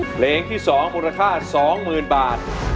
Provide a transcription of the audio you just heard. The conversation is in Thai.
เพลงที่สองมูลค่าสองหมื่นบาท